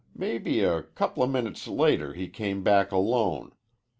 Maybe a coupla minutes later he came back alone.